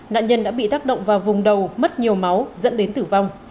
nạn nhân đã bị tác động vào vùng đầu mất nhiều máu dẫn đến tử vong